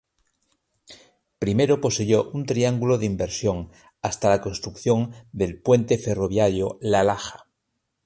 Primero poseyó un Triángulo de inversión hasta la construcción del Puente Ferroviario La Laja.